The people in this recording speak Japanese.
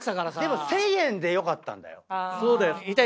でも１，０００円でよかったんだよ。